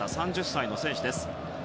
３０歳の選手です。